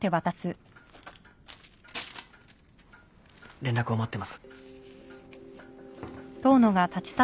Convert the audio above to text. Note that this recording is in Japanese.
連絡を待ってます。